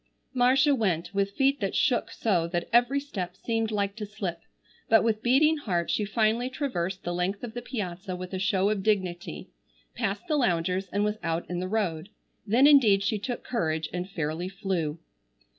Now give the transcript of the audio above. Marcia went with feet that shook so that every step seemed like to slip, but with beating heart she finally traversed the length of the piazza with a show of dignity, passed the loungers, and was out in the road. Then indeed she took courage and fairly flew.